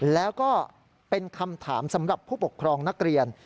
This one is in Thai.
แล้วก็เป็นคำถามสำหรับผู้ปกครองนักเรียน